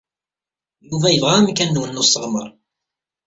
Yuba yebɣa amkan-nwen n usseɣmer.